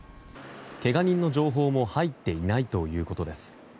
けが人の情報も入っていないということです。